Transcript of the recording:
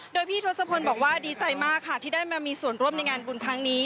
โดยพี่ทศพลบอกว่าดีใจมากค่ะที่ได้มามีส่วนร่วมในงานบุญครั้งนี้